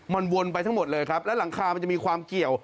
มันวนไปทั้งหมดเลยครับและหลังคามันจะมีความเกี่ยว